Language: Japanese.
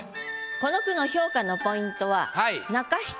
この句の評価のポイントは中